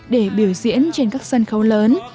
để biểu diễn trên các sân khấu lớn